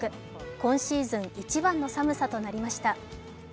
今シーズン一番の寒さとなりました。